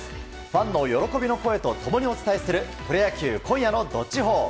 ファンの喜びの声と共にお伝えするプロ野球今夜のどっちほー。